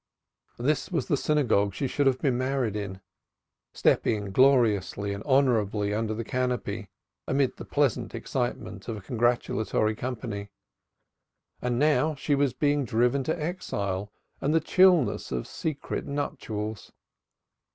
This was the synagogue she should have been married in; stepping gloriously and honorably under the canopy, amid the pleasant excitement of a congratulatory company. And now she was being driven to exile and the chillness of secret nuptials.